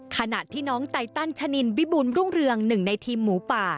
ขณะที่น้องไตตันชะนินวิบูรณรุ่งเรืองหนึ่งในทีมหมูป่า